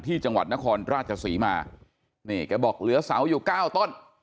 จังหวัดนครราชศรีมานี่แกบอกเหลือเสาอยู่เก้าต้น